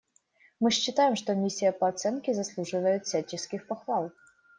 Мы считаем, что миссия по оценке заслуживает всяческих похвал.